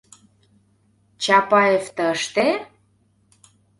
- Чапаев тыште?...